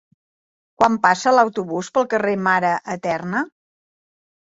Quan passa l'autobús pel carrer Mare Eterna?